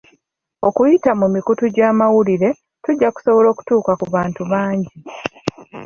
Okuyita mu mikutu gy'amawulire tujja kusobola okutuuka ku bantu bangi.